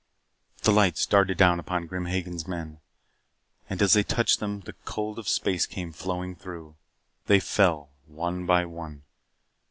The lights darted down upon Grim Hagen's men. And as they touched them, the cold of space came flowing through. They fell one by one.